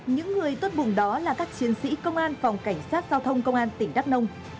những người tốt vùng đó là các chiến sĩ công an phòng cảnh sát giao thông công an tỉnh đắk nông